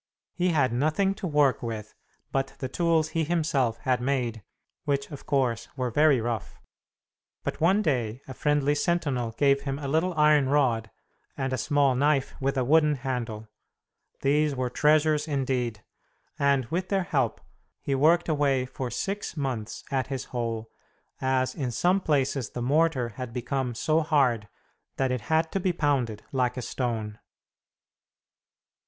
He had nothing to work with but the tools he himself had made, which, of course, were very rough. But one day a friendly sentinel gave him a little iron rod and a small knife with a wooden handle. These were treasures indeed! And with their help he worked away for six months at his hole, as in some places the mortar had become so hard that it had to be pounded like a stone.